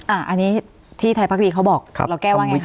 อ่าอันนี้ที่ไทยภาคดีเขาบอกเราแก้ว่าไงครับ